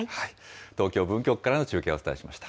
東京・文京区からの中継をお伝えしました。